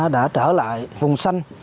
đã trở lại vùng xanh